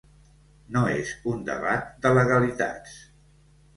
No és un debat de legalitats.